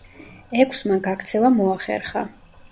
ექვსმა გაქცევა მოახერხა.